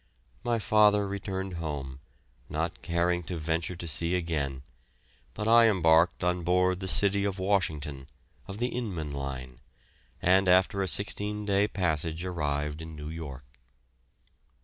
My father returned home, not caring to venture to sea again, but I embarked on board the "City of Washington," of the Inman Line, and after a sixteen day passage arrived in New York.